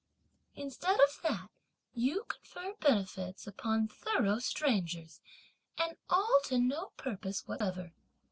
Instead of that, you confer benefits upon thorough strangers, and all to no purpose whatever!